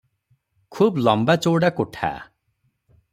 ଖୁବ୍ ଲମ୍ବାଚଉଡ଼ା କୋଠା ।